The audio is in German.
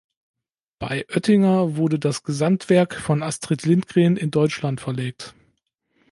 Bei Oetinger wurde das Gesamtwerk von Astrid Lindgren in Deutschland verlegt.